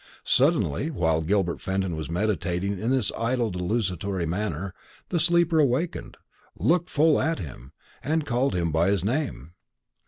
Suddenly, while Gilbert Fenton was meditating in this idle desultory manner, the sleeper awakened, looked full at him, and called him by his name.